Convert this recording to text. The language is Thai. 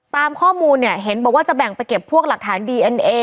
ตามข้อมูลเนี่ยเห็นบอกว่าจะแบ่งไปเก็บพวกหลักฐานดีเอ็นเอ